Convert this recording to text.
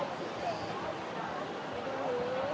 สวัสดีครับ